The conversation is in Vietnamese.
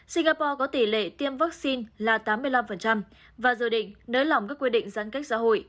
singapore có tỷ lệ tiêm vaccine là tám mươi năm và dự định nới lỏng các quy định giãn cách xã hội